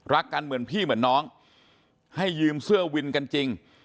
รักกันเหมือนพี่เหมือนน้องให้ยืมเสื้อวินกันจริง